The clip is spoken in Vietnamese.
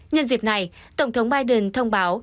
nhân dịp này tổng thống biden thông báo